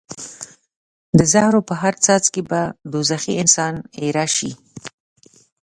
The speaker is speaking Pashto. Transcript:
د زهرو په هر څاڅکي به دوزخي انسان ایره شي.